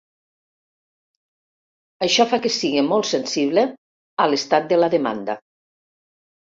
Això fa que sigui molt sensible a l'estat de la demanda.